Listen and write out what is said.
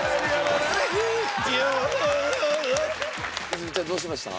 泉ちゃんどうしました？